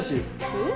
えっ？